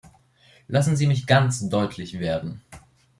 Lassen Sie mich ganz deutlich werden.